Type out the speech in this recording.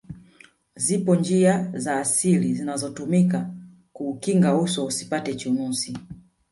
zipo njia za asili zinazotumika kuukinga uso usipate chunusi